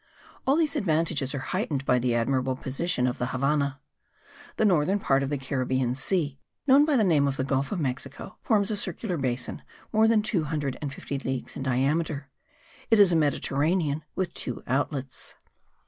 All these advantages are heightened by the admirable position of the Havannah. The northern part of the Caribbean Sea, known by the name of the Gulf of Mexico, forms a circular basin more than two hundred and fifty leagues in diameter: it is a Mediterranean with two outlets.